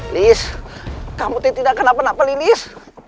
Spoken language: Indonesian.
lilih kamu tidak kenapa kenapa lilih